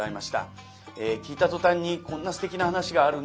聴いた途端に「こんなすてきな噺があるんだ。